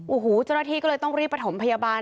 โอ้โหเจ้าหน้าที่ก็เลยต้องรีบประถมพยาบาล